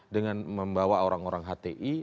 dengan membawa orang orang hti